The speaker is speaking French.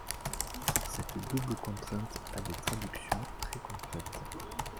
Cette double contrainte a des traductions très concrètes.